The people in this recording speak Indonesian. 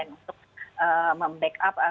untuk membackup rumah sakit